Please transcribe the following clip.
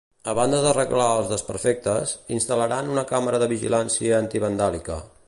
A banda d'arreglar els desperfectes, instal·laran una càmera de videovigilància antivandàlica.